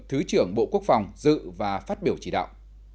thứ trưởng bộ quốc phòng dự và phát biểu chỉ đạo